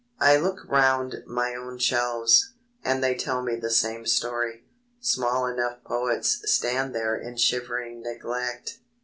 I look round my own shelves, and they tell the same story. Small enough poets stand there in shivering neglect.